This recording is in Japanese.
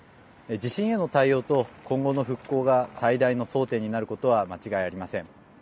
地震への対応と今後の復興が最大の争点になることは間違いありません。